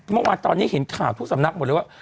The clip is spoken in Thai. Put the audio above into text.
เมื่อวานตอนนี้เห็นข่าวทุกสำนักหมดเลยว่า